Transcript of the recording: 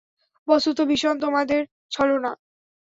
বস্তুত ভীষণ তোমাদের ছলনা।